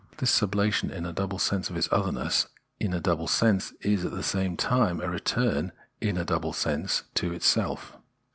This sublation in a double sense of its otherness in a double sense is at the same time a return in a double sense into its self.